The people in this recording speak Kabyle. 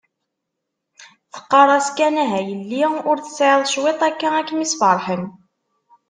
Teqqar-as kan ah a yelli, ur tesɛiḍ cwiṭ akka ad kem-isferḥen.